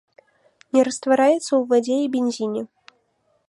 Не раствараецца ў вадзе і бензіне.